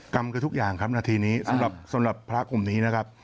กรรมกันทุกอย่างครับนาทีนี้สำหรับพระกลุ่มนี้นะครับ